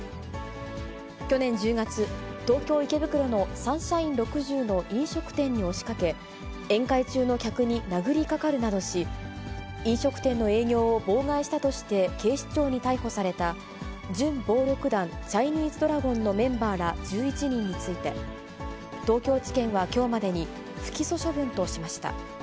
去年１０月、東京・池袋のサンシャイン６０の飲食店に押しかけ、宴会中の客に殴りかかるなどし、飲食店の営業を妨害したとして、警視庁に逮捕された、準暴力団チャイニーズドラゴンのメンバーら１１人について、東京地検はきょうまでに、不起訴処分としました。